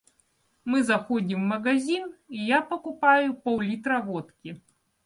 Мы заходим в магазин, и я покупаю пол-литра водки.